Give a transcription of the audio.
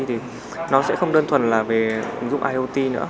thì nó sẽ không đơn thuần là về ứng dụng iot nữa